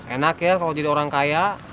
enak ya kalau jadi orang kaya